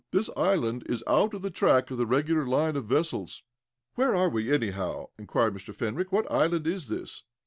This island is out of the track of the regular line of vessels." "Where are we, anyhow?" inquired Mr. Fenwick. "What island is this?"